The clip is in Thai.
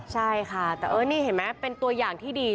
ใช่ค่ะแต่ตัวอย่างที่ดี